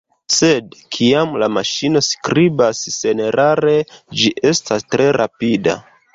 Sed, kiam la maŝino skribas senerare, ĝi estas tre rapida.